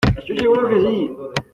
Estoy seguro que sí